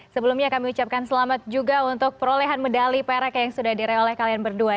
sebelumnya kami ucapkan selamat juga untuk perolehan medali perak yang sudah direoh kalian berdua